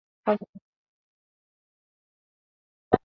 কমলা স্তব্ধ হইয়া দাঁড়াইয়া রহিল।